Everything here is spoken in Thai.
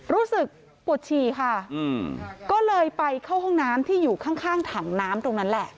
รู้สึกปวดฉี่ค่ะก็เลยไปเข้าห้องน้ำที่อยู่ข้างถังน้ำตรงนั้นแหละ